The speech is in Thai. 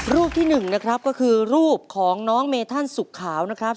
ที่๑นะครับก็คือรูปของน้องเมธันสุกขาวนะครับ